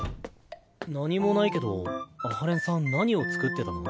何もないけど阿波連さん何を作ってたの？